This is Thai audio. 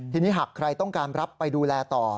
ทีนี้หากใครต้องการรับไปดูแลต่อ